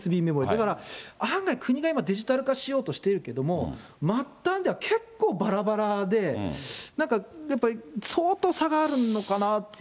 だから、案外国が今、デジタル化しようとしているけれども、末端では結構ばらばらで、なんかやっぱり、相当、差があるのかなと。